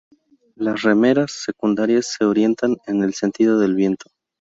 Las remeras secundarias se orientan en el sentido del viento.